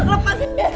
aku bunuh diri